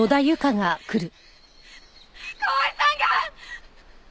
河合さんが！